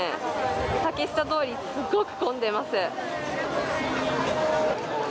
竹下通り、すごく混んでいます。